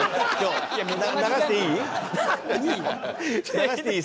流していい？